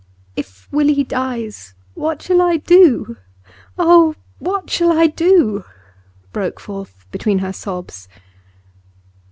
'If Willie dies, what shall I do? Oh, what shall I do?' broke forth between her sobs.